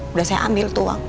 udah saya ambil tuh bang